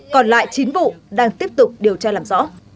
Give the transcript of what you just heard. còn lại chín vụ đang tiếp tục điều tra làm rõ